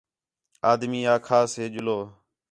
آدمی آکھاس ہے ڄلو